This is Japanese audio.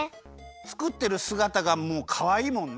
つくってるすがたがもうかわいいもんね。